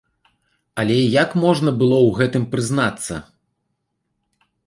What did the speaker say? Але як можна было ў гэтым прызнацца?